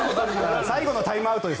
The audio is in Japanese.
最後のタイムアウトです。